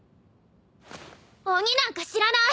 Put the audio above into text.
鬼なんか知らない。